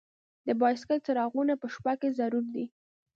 د بایسکل څراغونه په شپه کې ضرور دي.